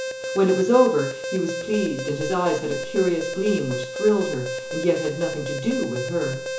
When it was over, he was pleased and his eyes had a curious gleam which thrilled her and yet had nothing to do with her.